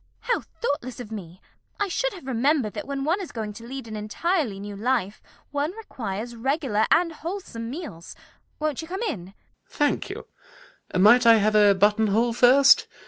How thoughtless of me. I should have remembered that when one is going to lead an entirely new life, one requires regular and wholesome meals. Won't you come in? ALGERNON. Thank you. Might I have a buttonhole first?